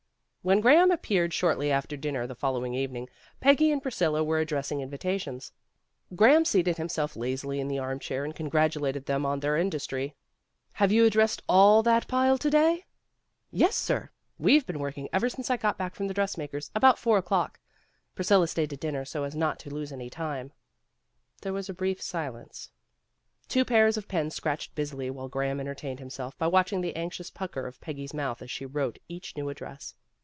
When Graham appeared shortly after dinner the following evening, Peggy and Priscilla were addressing invitations. Graham seated him self lazily in the arm chair and congratulated them on their industry. "Have you addressed all that pile to day?" "Yes, sir. We've been working ever since I got back from the dressmaker's, about four o 'clock. Priscilla stayed to dinner so as not to lose any time. '' There was a brief silence. Two pairs of pens scratched busily while Graham entertained himself by watching the anxious pucker of Peggy's mouth as she wrote each new address.